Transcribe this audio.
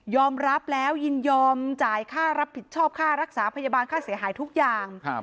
อมรับแล้วยินยอมจ่ายค่ารับผิดชอบค่ารักษาพยาบาลค่าเสียหายทุกอย่าง